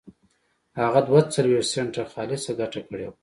هغه دوه څلوېښت سنټه خالصه ګټه کړې وه